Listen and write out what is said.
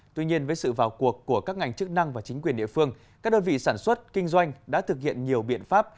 tuy nhiên với sự vào cuộc của các ngành chức năng và chính quyền địa phương các đơn vị sản xuất kinh doanh đã thực hiện nhiều biện pháp